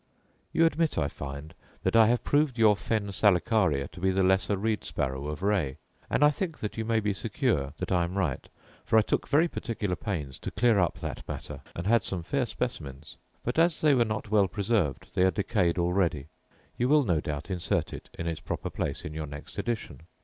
You admit, I find, that I have proved your fen salicaria to be the lesser reed sparrow of Ray; and I think that you may be secure that I am right; for I took very particular pains to clear up that matter, and had some fair specimens; but, as they were not well preserved, they are decayed already. You will, no doubt, insert it in its proper place in your next edition.